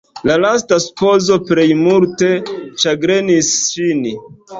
La lasta supozo plej multe ĉagrenis ŝin.